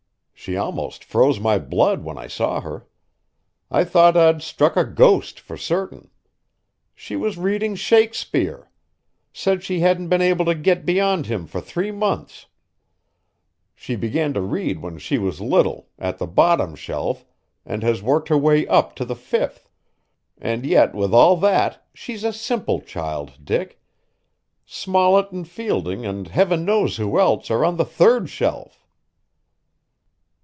She almost froze my blood when I saw her. I thought I'd struck a ghost for certain. She was reading Shakespeare! Said she hadn't been able to get beyond him for three months. She began to read when she was little, at the bottom shelf, and has worked her way up to the fifth. And yet with all that, she's a simple child, Dick. Smollett and Fielding and heaven knows who else are on the third shelf!"